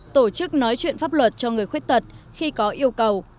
tổ chức nói chuyện pháp luật cho người khuyết tật khi có yêu cầu